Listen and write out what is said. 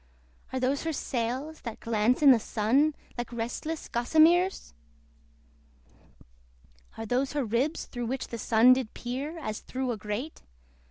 Are those her sails that glance in the Sun, Like restless gossameres! Are those her ribs through which the Sun Did peer, as through a grate?